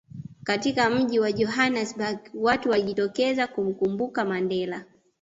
katika Mji wa Johannesburg watu waliojitokeza kumkumbuka Mandela